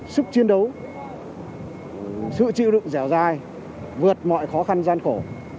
sức chiến đấu sự chịu đựng dẻo dai vượt mọi khó khăn gian khổ